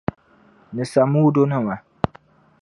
Ni Samuudu nima.